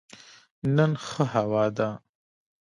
نن ښه هوا ده